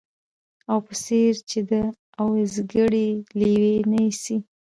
او په څېر چي د اوزګړي لېونی سي